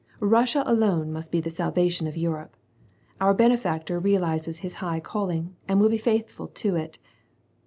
Russia alone must be the salvation of Europe. Our benefactor realizes his high calling, and will be faithful to it.